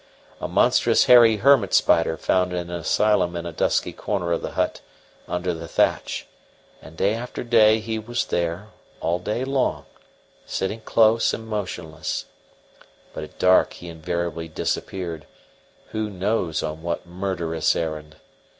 A monstrous hairy hermit spider found an asylum in a dusky corner of the hut, under the thatch, and day after day he was there, all day long, sitting close and motionless; but at dark he invariably disappeared who knows on what murderous errand!